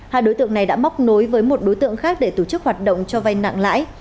hai đối tượng này đã móc nối với một đối tượng khác để tổ chức hoạt động cho vay nặng lãi